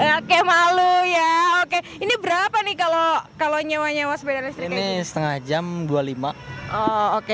oke malu ya oke ini berapa nih kalau kalau nyawa nyawa sepeda listrik ini setengah jam dua puluh lima oke